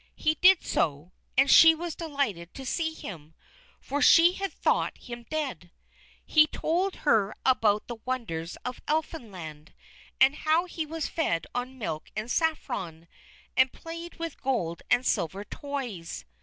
He did so, and she was delighted to see him, for she had thought him dead. He told her about the wonders of Elfinland, and how he was fed on milk and saffron, and played with gold and silver toys.